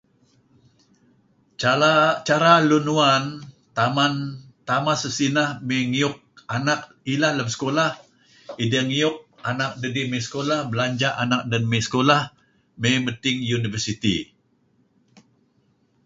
Cala, Cara lunuwan taman, tamah tesineh mey ngiyuk anak lem sekulah ideh ngiyuk anak dedih mey sekulah, belanja' anak dedih mey sekulah, mey medting university.